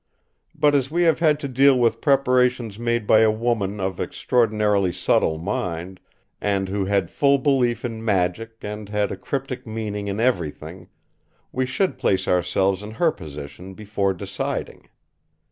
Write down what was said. But as we have to deal with preparations made by a woman of extraordinarily subtle mind, and who had full belief in magic and had a cryptic meaning in everything, we should place ourselves in her position before deciding.